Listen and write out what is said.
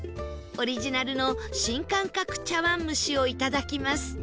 オリジナルの新感覚茶碗蒸しをいただきます